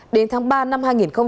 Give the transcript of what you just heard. đến tháng ba năm hai nghìn hai mươi